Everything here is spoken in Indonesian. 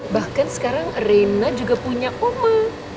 bahkan sekarang rina juga punya oma